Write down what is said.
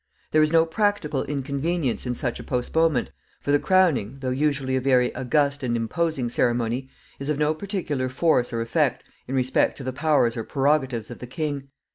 There is no practical inconvenience in such a postponement, for the crowning, though usually a very august and imposing ceremony, is of no particular force or effect in respect to the powers or prerogatives of the king.